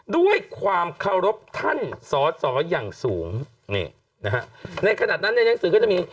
ด้วยความเคารพท่านสอสออย่างสูงนี่นะฮะในขณะนั้นในหนังสือก็จะมี